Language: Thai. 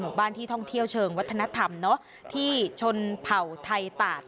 มันยั่วน้ำลาย